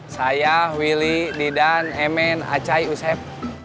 saya willy didan emen acai usep